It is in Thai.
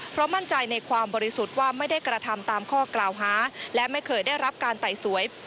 เพราะมั่นใจในความบริสุทธิ์ว่าไม่ได้กระทำตามข้อกล่าวหาและไม่เคยได้รับการไต่สวย